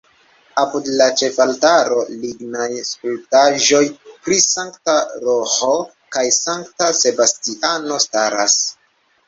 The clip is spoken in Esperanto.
Apud la ĉefaltaro lignaj skulptaĵoj pri Sankta Roĥo kaj Sankta Sebastiano staras.